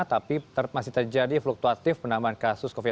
tapi masih terjadi fluktuatif penambahan kasus covid sembilan belas